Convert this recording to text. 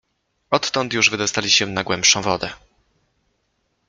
Odtąd już wydostali się na głębszą wodę.